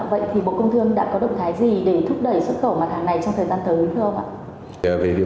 vậy thì bộ công thương đã có động thái gì để thúc đẩy xuất khẩu mặt hàng này trong thời gian tới thưa ông ạ